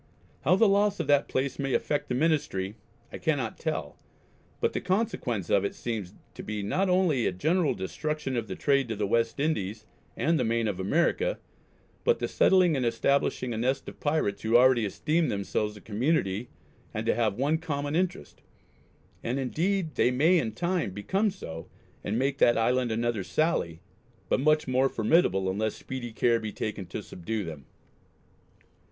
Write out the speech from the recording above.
How the loss of that place may affect the Ministry, I cannot tell, but the consequence of it seems to be not only a general destruction of the trade to the West Indies, and the Main of America, but the settling and establishing a nest of Pirates who already esteem themselves a Community and to have one common interest; and indeed they may in time become so, and make that Island another Sally but much more formidable unless speedy care be taken to subdue them....